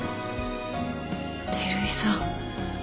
照井さん